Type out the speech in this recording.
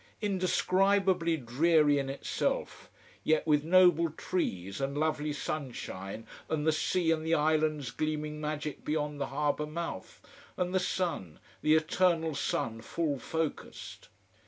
Indescribably dreary in itself: yet with noble trees, and lovely sunshine, and the sea and the islands gleaming magic beyond the harbour mouth, and the sun, the eternal sun full focussed.